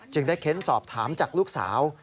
ได้เค้นสอบถามจากลูกสาว